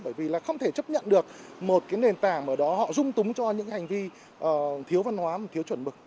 bởi vì là không thể chấp nhận được một cái nền tảng ở đó họ dung túng cho những hành vi thiếu văn hóa mà thiếu chuẩn mực